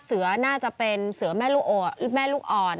เสือน่าจะเป็นเสือแม่ลูกอ่อน